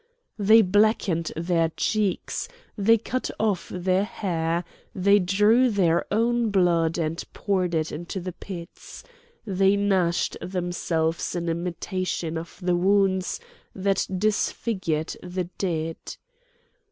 They blackened their cheeks; they cut off their hair; they drew their own blood and poured it into the pits; they gashed themselves in imitation of the wounds that disfigured the dead.